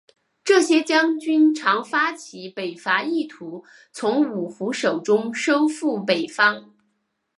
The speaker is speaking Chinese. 这些将军常发起北伐意图从五胡手中收复北方。